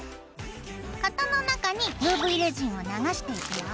型の中にＵＶレジンを流していくよ。